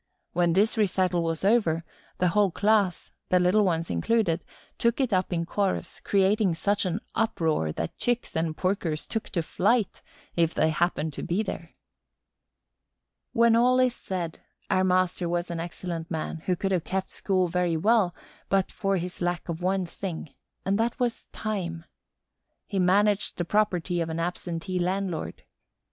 When this recital was over, the whole class, the little ones included, took it up in chorus, creating such an uproar that Chicks and porkers took to flight if they happened to be there. When all is said, our master was an excellent man who could have kept school very well but for his lack of one thing; and that was time. He managed the property of an absentee landlord.